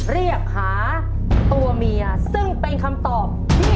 เรียกหาตัวเมียซึ่งเป็นคำตอบที่